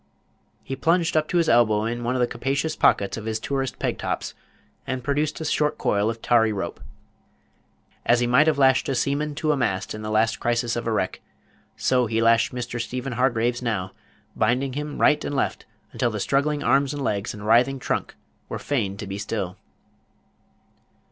He plunged up to his elbow in one of the capacious pockets of his tourist peg tops, and produced a short coil of tarry rope. As he might have lashed a seaman to a mast in the last crisis of a wreck, so he lashed Mr. Stephen Hargraves now, binding him right and left, until the struggling arms and legs, and writhing trunk, were fain to be still.